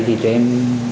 thì tụi em